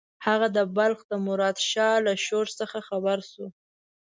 هغه د بلخ د مراد شاه له ښورښ څخه خبر شو.